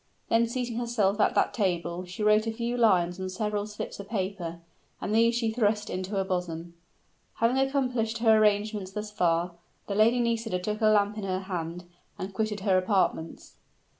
Then seating herself at that table, she wrote a few lines on several slips of paper, and these she thrust into her bosom. Having accomplished her arrangements thus far, the Lady Nisida took a lamp in her hand, and quitted her apartments.